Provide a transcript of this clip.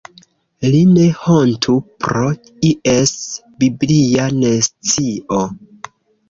Li ne hontu pro ies biblia nescio.